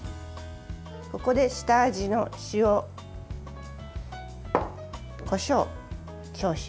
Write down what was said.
ここで、下味の塩、こしょう少々。